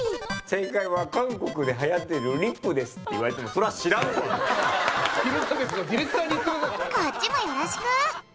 「正解は韓国ではやってるリップです」って言われてもこっちもよろしく！